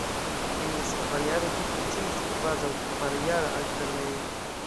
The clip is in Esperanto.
En la sekva jaro ĝi funkciis kvazaŭ kvarjara altlernejo.